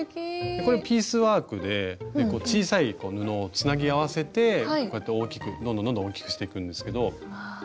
これピースワークで小さい布をつなぎ合わせてこうやって大きくどんどんどんどん大きくしていくんですけど。